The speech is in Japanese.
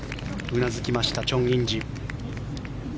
うなずきましたチョン・インジ。